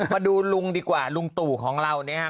มาดูลุงดีกว่าลุงตู่ของเราเนี่ยฮะ